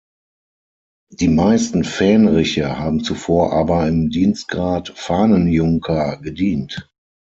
Die meisten Fähnriche haben zuvor aber im Dienstgrad Fahnenjunker gedient.